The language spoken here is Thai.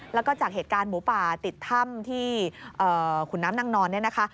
แล้วก็จากเหตุการณ์หมูป่าติดถ้ำที่ขุนน้ำนางนอนเนี่ยนะคะ